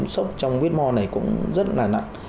sốc trong whitmore này cũng rất là nặng